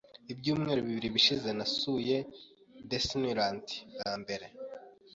Ibyumweru bibiri bishize, nasuye Disneyland bwa mbere .